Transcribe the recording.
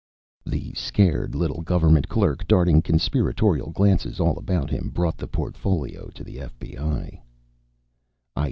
The scared little government clerk, darting conspiratorial glances all about him, brought the portfolio to the FBI.